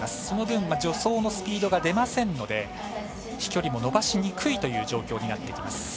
その分、助走のスピードが出ませんので、飛距離も伸ばしにくい状況になってきます。